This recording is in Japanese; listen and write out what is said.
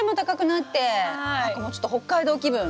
なんかもうちょっと北海道気分。